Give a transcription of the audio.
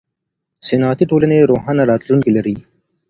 صنعتي ټولنې روښانه راتلونکی لري.